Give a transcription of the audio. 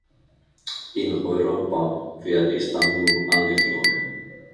In Europa wird Istanbul angeflogen.